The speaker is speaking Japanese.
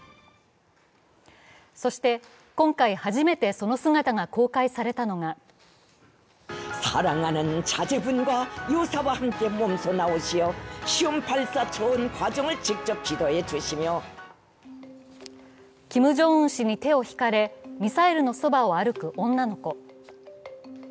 そして今回、初めてその姿が公開されたのがキム・ジョンウン氏に手を引かれミサイルのそばを歩く女の子。